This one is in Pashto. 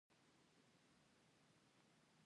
آیا د کاناډا په شمال کې ژوند ګران نه دی؟